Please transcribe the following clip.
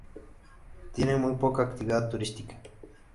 Tiene muy poca actividad turística.